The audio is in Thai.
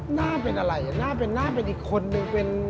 หน้าเป็นอะไรหน้าเป็นอีกคนหนึ่ง